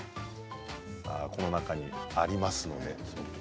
この中にありますので。